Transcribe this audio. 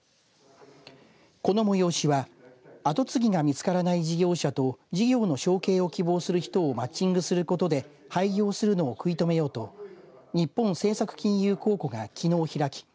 この催しは後継ぎが見つからない事業者と事業の承継を希望する人をマッチングすることで廃業するのを食い止めようと日本政策金融公庫がきのう開き